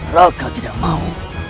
raka tidak mau